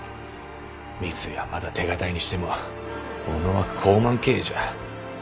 三井はまだ手堅いにしても小野は放漫経営じゃ。